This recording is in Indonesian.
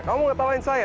kamu mau mengetawain saya